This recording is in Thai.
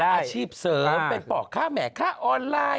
หาอาชีพเสริมเป็นเปราะค้าแหมะค่ะออนไลน์